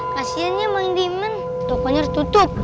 kasiannya bang niman tokonya ditutup